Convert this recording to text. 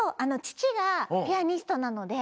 ちちがピアニストなので。